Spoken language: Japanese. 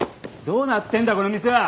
どうなってんだこの店は？